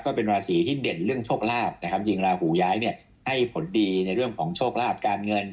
ก็เป็นราศีที่เด่นเรื่องโชคลาภนะครับยิงราหูย้ายเนี่ยให้ผลดีในเรื่องของโชคลาภการเงิน